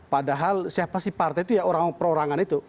padahal siapa sih partai itu ya orang perorangan itu